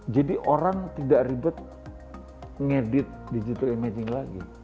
jadi orang tidak ribet ngedit digital imaging lagi